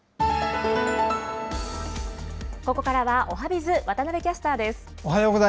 ここからはおはＢｉｚ、渡部キャスターです。